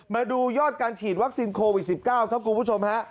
มาดูยอดการฉีดวัคซีนโควิด๑๙ครับคุณผู้ชมฮะ